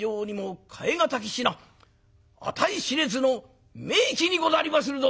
値知れずの名器にござりまするぞ！」。